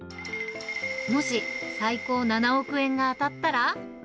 もし、最高７億円が当たったら？